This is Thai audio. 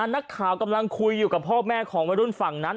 นักข่าวกำลังคุยอยู่กับพ่อแม่ของวัยรุ่นฝั่งนั้น